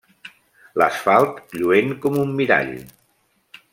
L'asfalt, lluent com un mirall.